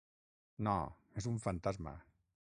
No, és un fantasma.